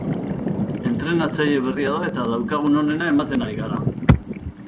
Entrenatzaile berria da eta daukagun onena ematen ari gara.